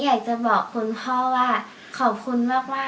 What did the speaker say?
อยากจะบอกคุณพ่อว่าขอบคุณมาก